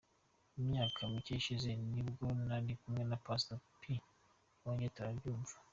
Mu myaka mike ishize nibwo nari kumwe na Pastor P iwanjye turayumva.